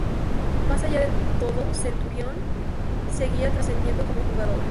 Más allá de todo Centurión seguía trascendiendo como jugador.